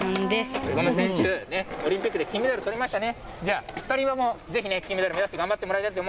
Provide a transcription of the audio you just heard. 堀米選手、オリンピックで金メダルとりましたね。